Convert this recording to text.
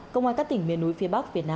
công an các tỉnh miền núi phía bắc việt nam